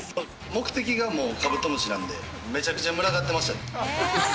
目的がカブトムシなんで、めちゃくちゃ群がってました。